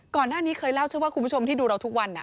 ก่อนหน้านี้เคยเล่าเชื่อว่าคุณผู้ชมที่ดูเราทุกวัน